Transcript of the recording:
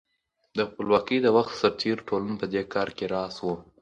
د خپلواکۍ د وخت سرتېرو ټولنه په دې کار کې راس وه.